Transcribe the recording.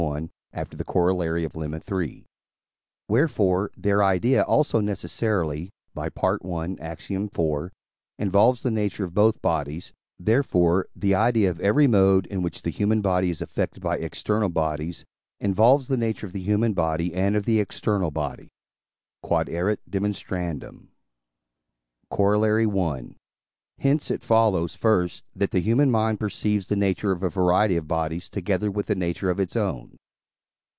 i., after the Coroll. of Lemma iii.), wherefore their idea also necessarily (by I. Ax. iv.) involves the nature of both bodies; therefore, the idea of every mode, in which the human body is affected by external bodies, involves the nature of the human body and of the external body. Q.E.D. Corollary I. Hence it follows, first, that the human mind perceives the nature of a variety of bodies, together with the nature of its own.